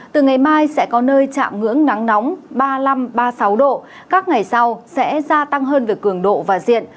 từ ngày mai sẽ có nơi chạm ngưỡng nắng nóng ba mươi năm ba mươi sáu độ các ngày sau sẽ gia tăng hơn về cường độ và diện